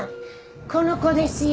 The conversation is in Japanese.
この子ですよ！